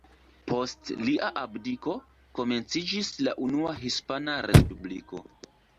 Post lia abdiko, komenciĝis la Unua Hispana Respubliko.